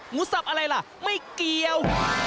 สับอะไรล่ะไม่เกี่ยว